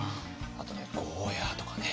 あとねゴーヤーとかね。